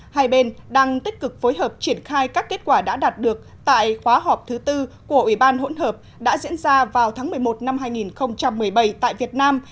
hai bên đang tích cực phối hợp triển khai các kết quả đã đạt được tại khóa họp thứ tư của ủy ban hỗn hợp đã diễn ra vào tháng một mươi một năm hai nghìn một mươi bảy tại việt nam